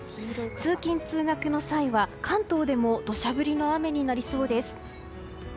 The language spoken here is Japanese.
通勤・通学の際は関東でも土砂降りの雨になりそうです。